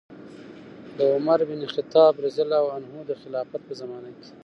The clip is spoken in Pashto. د عمر بن الخطاب رضي الله عنه د خلافت په زمانه کې